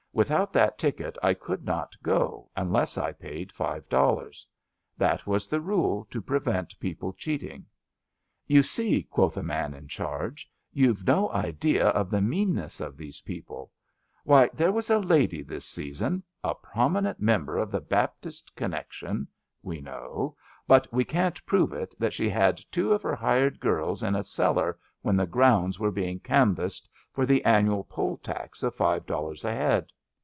Without that ticket I could not go, unless I paid five dollars. That was the rule to prevent people cheating. ^* You see,'^ quotii a man in charge, ^^ youVe no idea of the meanness of these people. Why, there CHAUTAUQUAED 183 was a lady this season — a prominent member of the Baptist connection— we know, but we can't prove it that she had two of her hired girls in a cellar when the grounds were being canvassed for the annual poll tax of five dollars a head.